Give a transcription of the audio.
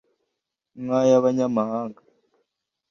Nk‘ay‘abanyamahanga